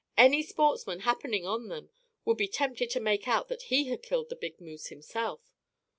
"Any sportsman happening on them would be tempted to make out that he had killed the big moose himself.